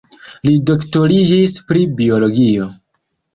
Li doktoriĝis pri biologio.